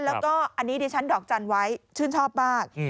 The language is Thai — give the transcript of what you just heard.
แล้วก็อันนี้ดิฉันดอกจันทร์ไว้ชื่นชอบมาก